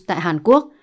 tại hàn quốc